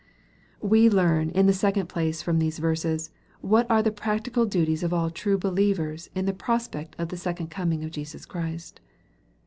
We learn, in the second place, from these verses, what are the practical duties of all true believers in the prospect of the second coming of Jesus Christ.